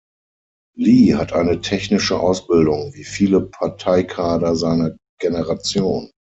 Li hat eine technische Ausbildung, wie viele Parteikader seiner Generation.